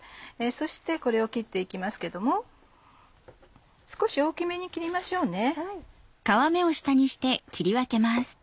そしてこれを切って行きますけども少し大きめに切りましょうね。